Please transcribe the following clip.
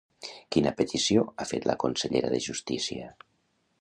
Quina petició ha fet la consellera de Justícia?